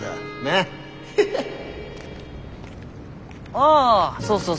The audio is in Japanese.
ああそうそう